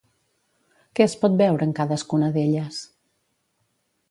Què es pot veure en cadascuna d'elles?